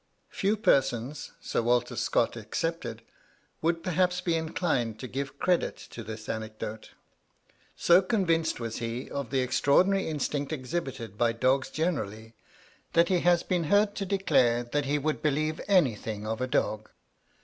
Few persons, Sir Walter Scott excepted, would perhaps be inclined to give credit to this anecdote. So convinced was he of the extraordinary instinct exhibited by dogs generally, that he has been heard to declare that he would believe anything of a dog.